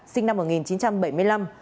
sinh năm một nghìn chín trăm bảy mươi năm